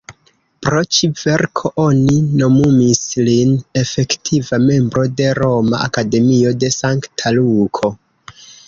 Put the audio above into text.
Pro ĉi-verko oni nomumis lin Efektiva membro de "Roma Akademio de Sankta Luko".